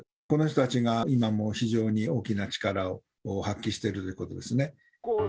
この人たちが今も非常に大きな力を発揮しているということですね。